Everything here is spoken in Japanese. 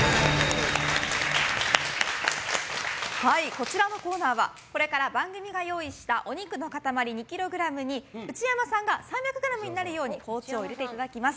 こちらのコーナーはこれから番組が用意したお肉の塊２ｋｇに内山さんが３００ｇになるように包丁を入れていただきます。